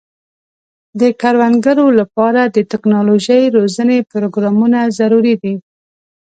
د کروندګرو لپاره د ټکنالوژۍ روزنې پروګرامونه ضروري دي.